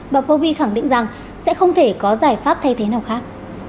bà pobi khẳng định rằng sẽ không thể có giải pháp thay thế nào khác